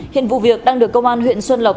hiện vụ việc đang được công an huyện xuân lộc